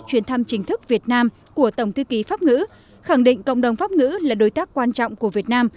chuyến thăm chính thức việt nam của tổng thư ký pháp ngữ khẳng định cộng đồng pháp ngữ là đối tác quan trọng của việt nam